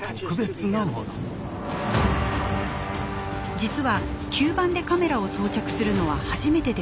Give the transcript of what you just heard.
実は吸盤でカメラを装着するのは初めてではありません。